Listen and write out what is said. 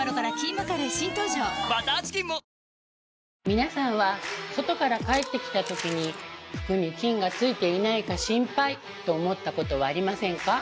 皆さんは外から帰ってきたときに「服に菌がついていないか心配！」と思ったことはありませんか？